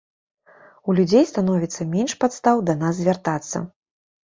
У людзей становіцца менш падстаў да нас звяртацца.